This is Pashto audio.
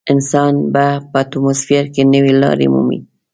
انسان به په اتموسفیر کې نوې لارې مومي.